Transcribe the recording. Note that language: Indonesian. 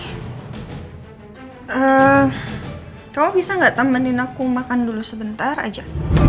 ehm kamu bisa gak temenin aku makan dulu sebentar aja